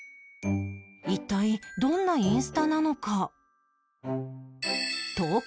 一体どんなインスタなのか？